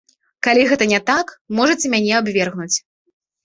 Калі гэта не так, можаце мяне абвергнуць.